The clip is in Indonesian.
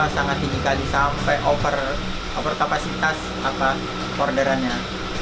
sangat tinggi kali sampai over kapasitas orderannya